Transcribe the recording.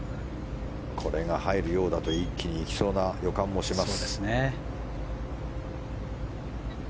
これが入るようだと一気に行きそうな予感もします。